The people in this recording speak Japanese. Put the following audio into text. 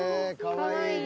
かわいいね。